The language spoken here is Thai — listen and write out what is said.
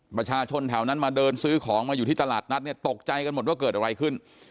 ประชาชนแถวนั้นมาเดินซื้อของมาอยู่ที่ตลาดนัดเนี่ยตกใจกันหมดว่าเกิดอะไรขึ้น